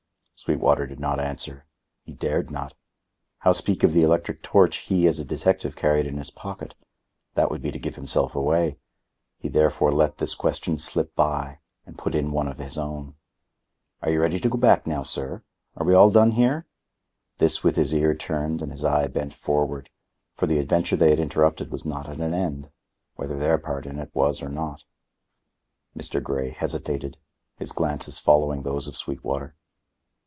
Sweetwater did not answer. He dared not. How speak of the electric torch he as a detective carried in his pocket? That would be to give himself away. He therefore let this question slip by and put in one of his own. "Are you ready to go back now, sir? Are we all done here?" This with his ear turned and his eye bent forward; for the adventure they had interrupted was not at an end, whether their part in it was or not. Mr. Grey hesitated, his glances following those of Sweetwater.